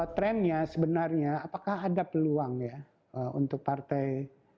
trennya sebenarnya apakah ada peluang ya untuk partai